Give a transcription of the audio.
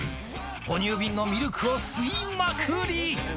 ほ乳瓶のミルクを吸いまくり。